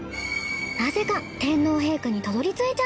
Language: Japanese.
なぜか天皇陛下にたどりついちゃった。